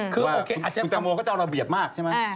คุณแต่งโมก็จะเอาระเบียบมากใช่ไหม